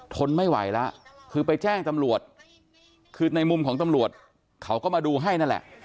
ทนไม่ไหวแล้วคือไปแจ้งตำรวจคือในมุมของตำรวจเขาก็มาดูให้นั่นแหละ